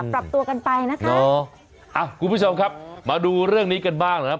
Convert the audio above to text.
ปรับตัวกันไปนะคะอ๋ออ่ะคุณผู้ชมครับมาดูเรื่องนี้กันบ้างนะครับ